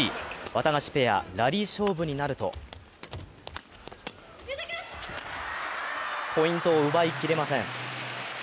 ワタガシペア、ラリー勝負になるとポイントを奪いきれません。